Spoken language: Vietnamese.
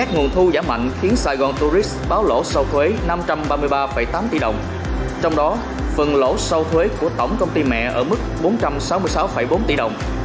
nguồn thu giảm mạnh khiến saigon tourist báo lỗ sau thuế năm trăm ba mươi ba tám tỷ đồng trong đó phần lỗ sau thuế của tổng công ty mẹ ở mức bốn trăm sáu mươi sáu bốn tỷ đồng